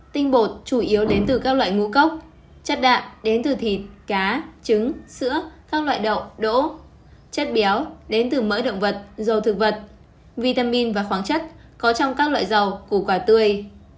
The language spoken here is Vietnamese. tinh bột chủ yếu đến từ các loại ngũ cốc chất đạm đến từ thịt cá trứng sữa các loại đậu đỗ chất béo đến từ mỡ động vật dầu thực vật vitamin và khoáng chất có trong các loại dầu củ quả tươi